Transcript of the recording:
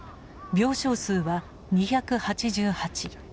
病床数は２８８。